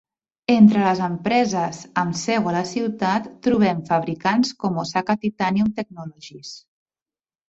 Entre les empreses amb seu a la ciutat, trobem fabricants com Osaka Titanium Technologies.